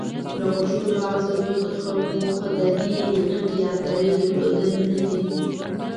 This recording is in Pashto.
له غښتلو عضلو څخه موخه د ډېرې غټې عضلې درلودل نه دي.